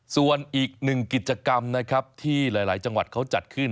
ส่วนอีกหนึ่งกิจกรรมนะครับที่หลายจังหวัดเขาจัดขึ้น